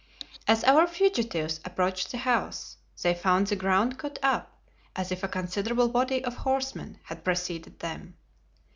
As our fugitives approached the house, they found the ground cut up, as if a considerable body of horsemen had preceded them.